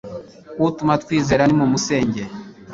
utuma twizera nimumusenge